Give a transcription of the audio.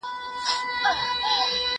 که وخت وي، چپنه پاکوم.